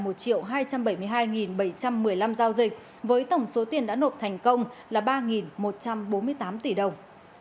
số giao dịch với tổng số tiền đã nộp thành công là ba một trăm bốn mươi tám tỷ đồng